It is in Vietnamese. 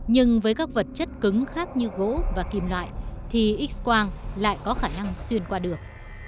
nhưng với các vật chất cứng khác như gỗ và kim loại thì x quang lại có khả năng xuyên qua được